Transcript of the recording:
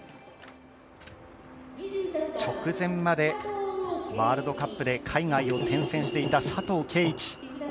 直前までワールドカップで海外を転戦していた佐藤慧一。